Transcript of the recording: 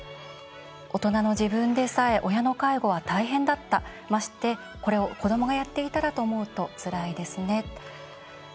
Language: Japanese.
「大人の自分でさえ親の介護は大変だった。まして、これを子どもがやっていたらと思うとつらいですね」。